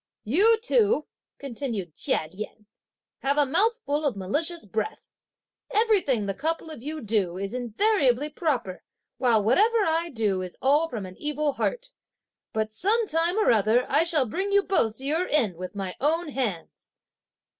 "You two," continued Chia Lien, "have a mouth full of malicious breath! Everything the couple of you do is invariably proper, while whatever I do is all from an evil heart! But some time or other I shall bring you both to your end with my own hands!"